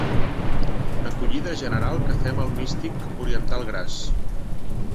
Acollida general que fem al místic oriental gras.